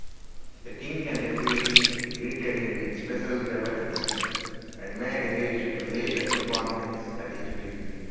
The king and queen greeted him with special reverence, and made haste to lay the new born prince at his feet.